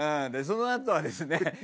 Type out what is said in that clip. その後はですね。